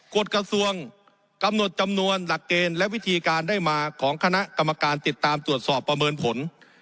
กฎกระทรวงกำหนดจำนวนหลักเกณฑ์และวิธีการได้มาของคณะกรรมการติดตามตรวจสอบประเมินผล